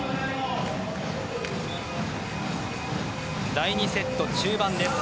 第２セット中盤です。